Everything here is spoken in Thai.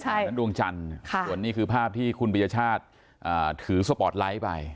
อันนั้นดวงจันทร์ส่วนนี้คือภาพที่คุณปียชาติถือสปอร์ตไลท์ไป